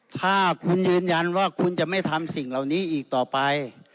ถ้าคุณยืนยันว่าคุณจะไม่ทำสิ่งเหล่านี้อีกต่อไป